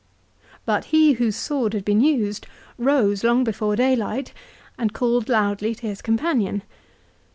But he, whose sword had been used, rose long before daylight and called loudly to his companion.